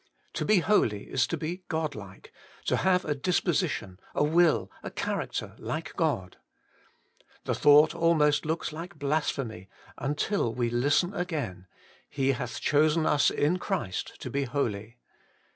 To be holy is to be Godlike, to have a disposition, a will, a character like God. The thought almost looks like blasphemy, until we listen again, ' He hath chosen us in Christ to be holy.'